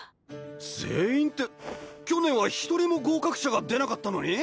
全員って去年は一人も合格者が出なかったのに？